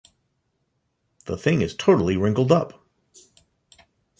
The thing is totally wrinkled-up.